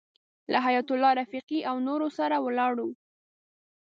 له حیایت الله رفیقي او نورو سره ولاړو.